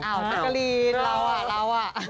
อ้าวนักกะลีนเราอ่ะเราอ่ะ